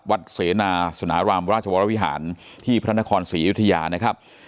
เสนาสนารามราชวรวิหารที่พระนครศรีอยุธยานะครับ